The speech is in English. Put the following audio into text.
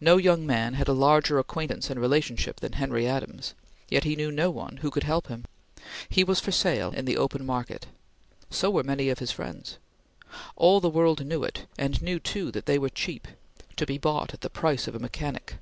No young man had a larger acquaintance and relationship than Henry Adams, yet he knew no one who could help him. He was for sale, in the open market. So were many of his friends. All the world knew it, and knew too that they were cheap; to be bought at the price of a mechanic.